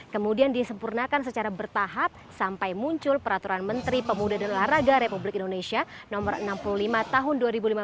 kemudian disempurnakan secara bertahap sampai muncul peraturan menteri pemuda dan olahraga republik indonesia no enam puluh lima tahun dua ribu lima belas